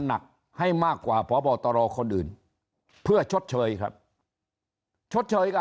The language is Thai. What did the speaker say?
หนักให้มากกว่าพบตรคนอื่นเพื่อชดเชยครับชดเชยกับ